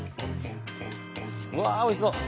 うわおいしそう！